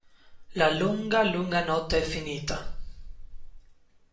La lunga, lunga notte è finita...